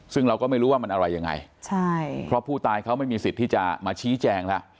ซึ่งเราก็ไม่รู้ว่ามันอะไรยังไงใช่เพราะผู้ตายเขาไม่มีสิทธิ์ที่จะมาชี้แจงแล้ว